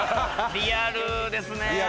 リアルですね。